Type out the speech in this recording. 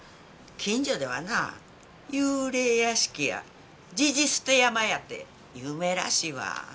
近所ではな幽霊屋敷やジジ捨て山やて有名らしいわ。